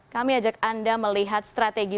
kami ajak anda melihat strategi